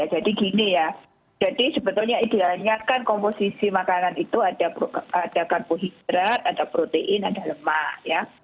jadi gini ya jadi sebetulnya ideanya kan komposisi makanan itu ada karbohidrat ada protein ada lemak